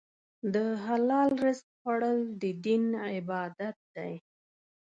د حلال رزق خوړل د دین عبادت دی.